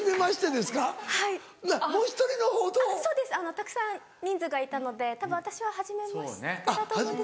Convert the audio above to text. たくさん人数がいたのでたぶん私ははじめましてだと思う。